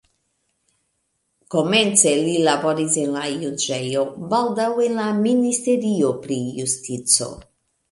Komence li laboris en la juĝejo, baldaŭ en la ministerio pri justico.